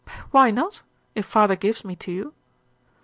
'Why not, if father gives me to you?'